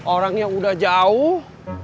orangnya udah jauh